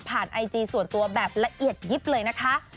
ไอจีส่วนตัวแบบละเอียดยิบเลยนะคะ